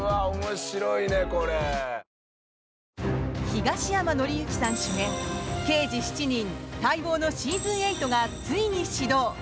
東山紀之さん主演「刑事７人」待望のシーズン８がついに始動。